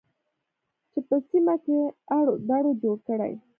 چې په سیمه کې اړو دوړ جوړ کړي